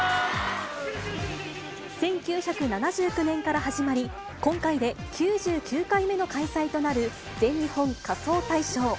１９７９年から始まり、今回で９９回目の開催となる全日本仮装大賞。